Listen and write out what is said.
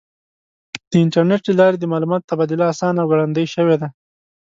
د انټرنیټ له لارې د معلوماتو تبادله آسانه او ګړندۍ شوې ده.